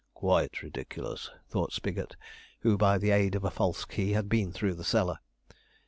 'Quite ridiculous,' thought Spigot, who, by the aid of a false key, had been through the cellar.